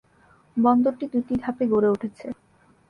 বন্দরটি দুটি ধাপে গড়ে উঠেছে।